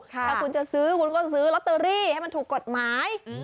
ถ้าคุณจะซื้อคุณก็ซื้อลอตเตอรี่ให้มันถูกกฎหมาย